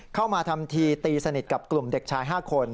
เข้ามาทำทีตีสนิทกับกลุ่มเด็กชาย๕คน